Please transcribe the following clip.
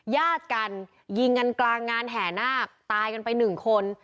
ญาติกันยิงกันกลางงานแห่นาคตายกันไปหนึ่งคน